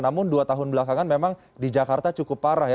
namun dua tahun belakangan memang di jakarta cukup parah